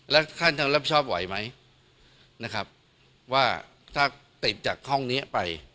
แล้วท่านจะรับชอบไหวไหมนะครับว่าถ้าติดจากห้องนี้ไป